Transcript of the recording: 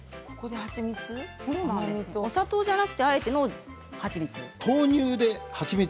お砂糖じゃなくてあえてのはちみつ。